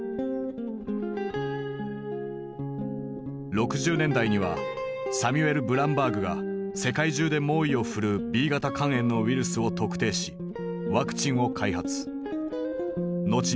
６０年代にはサミュエル・ブランバーグが世界中で猛威を振るうＢ型肝炎のウイルスを特定しワクチンを開発。